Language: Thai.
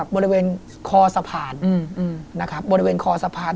บริเวณคอสะพาน